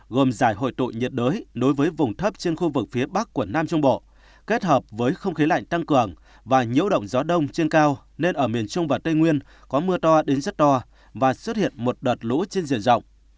gồm giải hội tụ nhiệt đới nối với vùng thấp trên khu vực phía bắc của nam trung bộ kết hợp với không khí lạnh tăng cường và nhiễu động gió đông trên cao nên ở miền trung và tây nguyên có mưa to đến rất to và xuất hiện một đợt lũ trên diện rộng